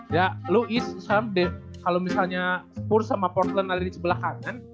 ya lo east sam dave kalo misalnya spurs sama portland ada di sebelah kanan